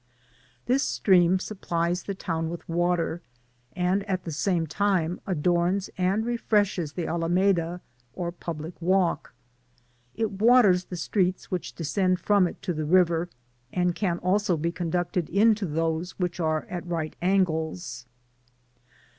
This stream supplies the town with water, and at the same time adorns and refreslies the Alameda or public walk. It waters the streets which descend from it to the river, and can also be conducted into those which are at right angles.